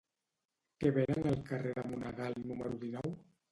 Què venen al carrer de Monegal número dinou?